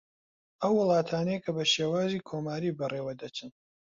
ئەو وڵاتانەی کە بە شێوازی کۆماری بە ڕێوە دەچن